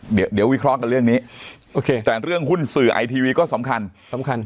เดี๋ยวเดี๋ยววิเคราะห์กันเรื่องนี้โอเคแต่เรื่องหุ้นสื่อไอทีวีก็สำคัญสำคัญ